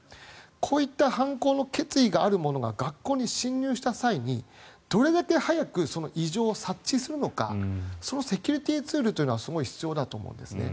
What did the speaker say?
こういった犯行の決意のある者が学校に侵入した際にどれだけ早く異常を察知するのかそのセキュリティーツールは必要だと思うんですね。